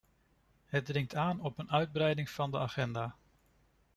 Het dringt aan op een uitbreiding van de agenda.